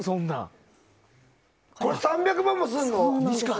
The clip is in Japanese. これ３００万円もするの？